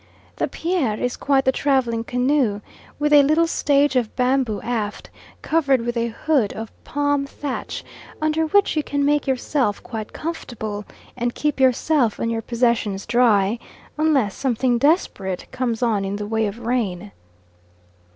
The Pere's is quite the travelling canoe, with a little stage of bamboo aft, covered with a hood of palm thatch, under which you can make yourself quite comfortable, and keep yourself and your possessions dry, unless something desperate comes on in the way of rain.